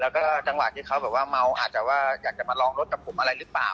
แล้วก็จังหวะที่เขาแบบว่าเมาอาจจะว่าอยากจะมาลองรถกับผมอะไรหรือเปล่า